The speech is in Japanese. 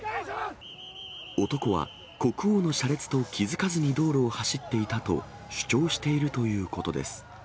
男は国王の車列と気付かずに道路を走っていたと主張しているということです。